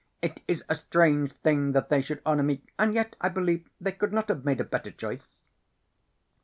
It is a strange thing that they should honor me, and yet I believe they could not have made a better choice."